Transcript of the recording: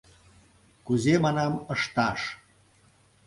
Кузе, манам, ышташ?